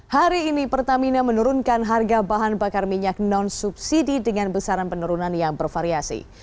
hari ini pertamina menurunkan harga bahan bakar minyak non subsidi dengan besaran penurunan yang bervariasi